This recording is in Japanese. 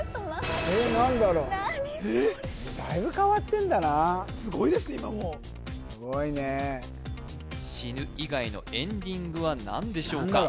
だいぶ変わってんだなすごいですね今もうすごいね死ぬ以外のエンディングは何でしょうか？